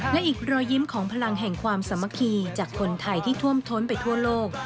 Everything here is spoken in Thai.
และอีกรอยยิ้มของพลังแห่งความสามัคคีจากคนไทยที่ท่วมท้นไปทั่วโลก